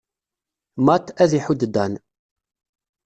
Matt ad iḥudd Dan.